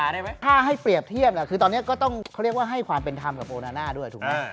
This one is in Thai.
จะให้เปรียบเทียบตอนนี้ก็ต้อง